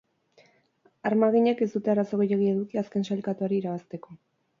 Armaginek ez dute arazo gehiegi eduki azken sailkatuari irabazteko.